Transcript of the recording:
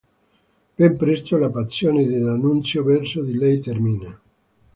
Ben presto la passione di D'Annunzio verso di lei termina.